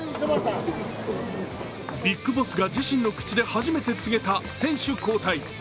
ビッグボスが自身の口で初めて告げた選手交代。